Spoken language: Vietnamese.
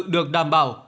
được đảm bảo